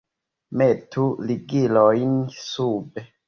Metu ligilojn sube!